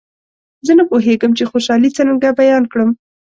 زه نه پوهېږم چې خوشالي څرنګه بیان کړم.